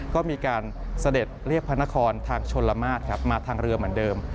ก็มีการเสด็จเรียกพระนครทางชนละมาตรครับมาทางเรือเหมือนเดิม